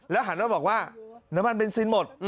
หันมาบอกว่าน้ำมันเบนซินหมด